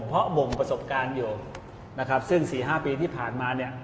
เพราะบ่มประสบการณ์อยู่ซึ่ง๔๕ปีที่ผ่านมา